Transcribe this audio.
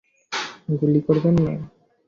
গুলি করবেন না!